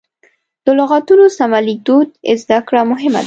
د لغتونو سمه لیکدود زده کړه مهمه ده.